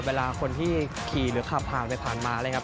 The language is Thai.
เวลาคนที่ขี่หรือขับผ่านไปผ่านมาเลยครับ